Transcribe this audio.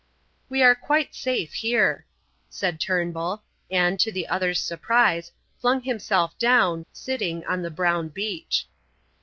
"We are quite safe here," said Turnbull, and, to the other's surprise, flung himself down, sitting on the brown beach.